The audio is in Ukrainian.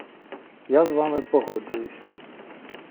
Я з вами погоджуюсь.